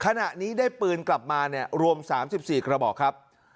ขณะนี้ได้ปืนกลับมาเนี่ยรวมสามสิบสี่กระบอกครับ